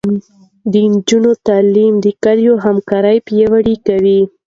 د نجونو تعلیم کلیواله همکاري پیاوړې کوي.